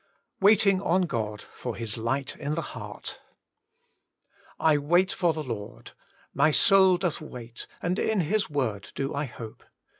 WAITING ON GOD: yor 1)id Xfdbt in tbe f>eart 'I wait for the Lord, my soul doth wait, And in His word do I hope.